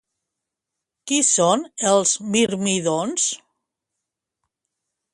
Qui són els mirmídons?